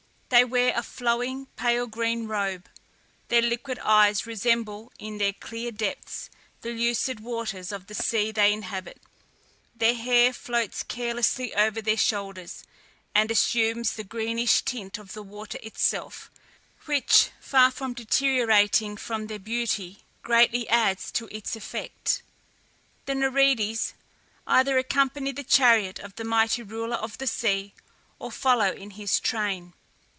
They wear a flowing, pale green robe; their liquid eyes resemble, in their clear depths, the lucid waters of the sea they inhabit; their hair floats carelessly over their shoulders, and assumes the greenish tint of the water itself, which, far from deteriorating from their beauty, greatly adds to its effect. The Nereides either accompany the chariot of the mighty ruler of the sea, or follow in his train.